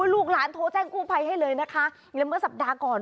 ลูกหลานโทรแจ้งกู้ภัยให้เลยนะคะและเมื่อสัปดาห์ก่อน